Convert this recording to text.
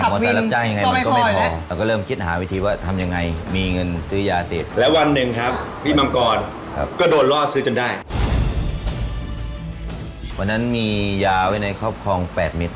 วันนั้นมียาไว้ในครอบครอง๘เม็ด